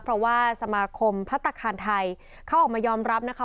เพราะว่าสมาคมพัฒนธรรมชาติธรรมชาติไทยเข้าออกมายอมรับนะคะ